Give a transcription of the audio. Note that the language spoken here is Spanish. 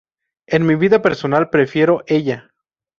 En mi vida personal prefiero "ella".